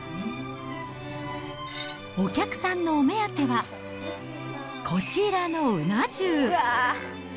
お客さんのお目当ては、こちらのうな重。